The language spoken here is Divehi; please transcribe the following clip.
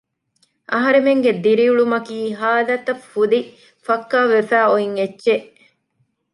އަހަރެމެންގެ ދިރިއުޅުމަކީ ހާލަތަށް ފުދި ފައްކާވެފައި އޮތް އެއްޗެއް